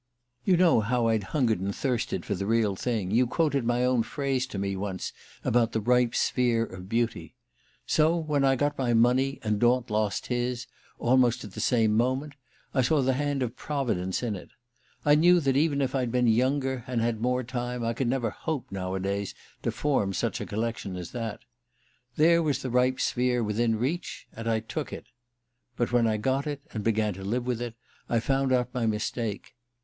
"You know how I'd hungered and thirsted for the real thing you quoted my own phrase to me once, about the 'ripe sphere of beauty.' So when I got my money, and Daunt lost his, almost at the same moment, I saw the hand of Providence in it. I knew that, even if I'd been younger, and had more time, I could never hope, nowadays, to form such a collection as that. There was the ripe sphere, within reach; and I took it. But when I got it, and began to live with it, I found out my mistake.